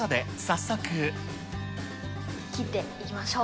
切っていきましょう。